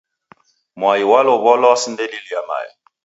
Mwai w'alow'olwa osindalilia mae